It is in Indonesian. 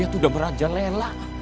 masih itu udah meraja lela